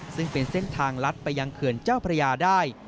ซึ่งเป็นเส้นทางลัดไปยังเขื่อนเจ้าพระยาได้